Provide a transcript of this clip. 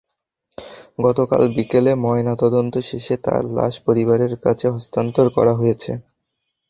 গতকাল বিকেলে ময়নাতদন্ত শেষে তাঁর লাশ পরিবারের কাছে হস্তান্তর করা হয়েছে।